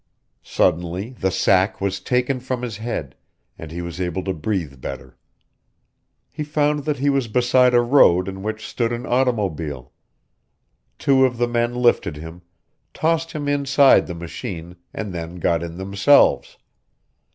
Suddenly the sack was taken from his head, and he was able to breathe better. He found that he was beside a road in which stood an automobile. Two of the men lifted him, tossed him inside the machine, and then got in themselves.